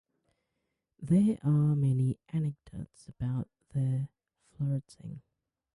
There are many anecdotes about their flirting.